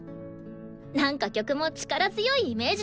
なんか曲も力強いイメージだし。